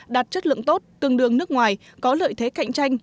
đạt chất lượng tốt tương đương nước ngoài có lợi thế cạnh tranh